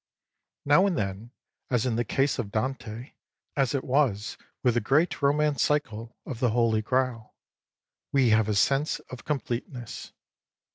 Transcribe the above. Now and then, as in the case of Dante, as it was with the great romance cycle of the Holy Graal, we have a sense of completeness.